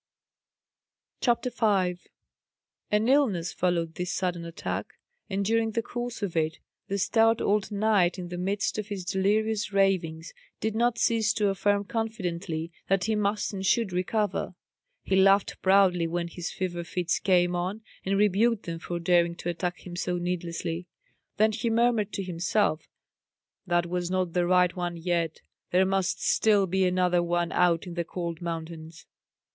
CHAPTER 5 An illness followed this sudden attack; and during the course of it the stout old knight, in the midst of his delirious ravings, did not cease to affirm confidently that he must and should recover. He laughed proudly when his fever fits came on, and rebuked them for daring to attack him so needlessly. Then he murmured to himself, "That was not the right one yet; there must still be another one out in the cold mountains."